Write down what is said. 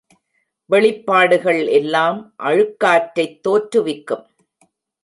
வெளிப்பாடுகள் எல்லாம் அழுக்காற்றைத் தோற்றுவிக்கும்.